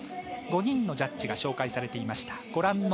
５人のジャッジが紹介されていました。